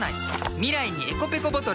未来にｅｃｏペコボトル。